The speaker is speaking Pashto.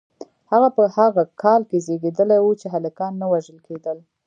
هغه په هغه کال کې زیږیدلی و چې هلکان نه وژل کېدل.